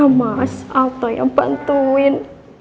ada mas altoyah bantuin